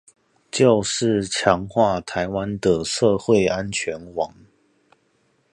就是強化臺灣的社會安全網